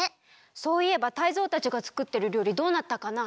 そういえばタイゾウたちがつくってるりょうりどうなったかな？